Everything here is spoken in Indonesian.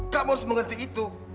kamu harus mengerti itu